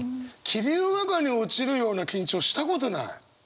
霧の中に落ちるような緊張したことない。